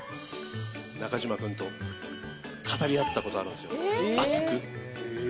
中島君と語り合ったことがあるんすよ、熱く。